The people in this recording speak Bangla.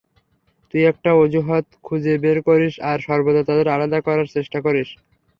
তুই একটা অজুহাত খুঁজে বের করিস আর সর্বদা তাদের আলাদা করার চেষ্টা করিস।